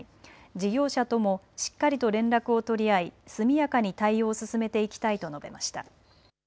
事業者ともしっかりと連絡を取り合い速やかに対応を進めていきたいと述べました。